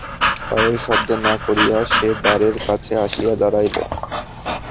পায়ের শব্দ না করিয়া সে দ্বারের কাছে আসিয়া দাঁড়াইল।